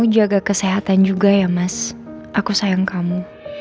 jaga kesehatan juga ya mas aku sayang kamu